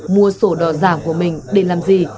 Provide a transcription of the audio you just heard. mua sổ đỏ giả của mình để làm gì